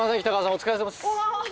お疲れさまです。